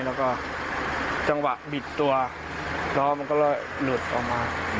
แล้วก็จังหวะบิดตัวล้อมันก็เลยหลุดออกมา